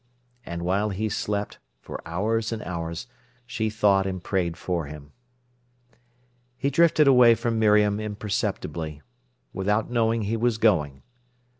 And while he slept, for hours and hours she thought and prayed for him. He drifted away from Miriam imperceptibly, without knowing he was going.